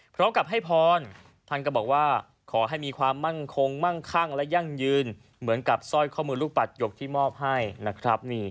พร้อมกับให้พรท่านก็บอกว่าขอให้มีความมั่นคงมั่งคั่งและยั่งยืนเหมือนกับสร้อยข้อมือลูกปัดหยกที่มอบให้นะครับ